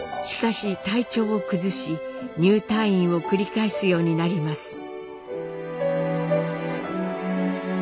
しかし体調を崩し入退院を繰り返すようになります。